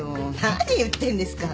何言ってんですか。